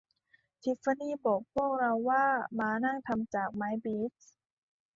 ทิฟฟานี่บอกพวกเราว่าม้านั่งทำจากไม้บีช